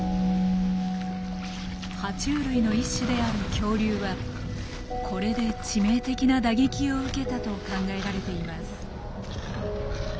は虫類の一種である恐竜はこれで致命的な打撃を受けたと考えられています。